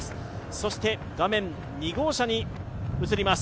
そして画面２号車に移ります。